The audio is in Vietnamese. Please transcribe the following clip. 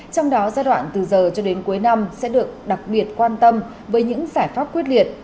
trong đó giai đoạn từ giờ cho đến cuối năm sẽ được đặc biệt quan tâm với những giải pháp quyết liệt